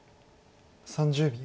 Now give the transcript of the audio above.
３０秒。